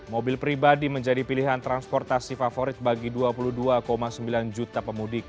mobil pribadi menjadi pilihan transportasi favorit bagi dua puluh dua sembilan juta pemudik